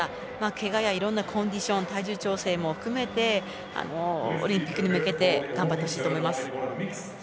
けがやコンディション体重調整も含めてオリンピックに向けて頑張ってほしいです。